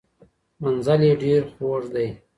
منزل یې ډیر خوږ دی.